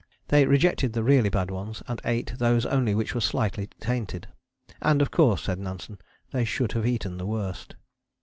They rejected the really bad ones, and ate those only which were slightly tainted. "And of course," said Nansen, "they should have eaten the worst."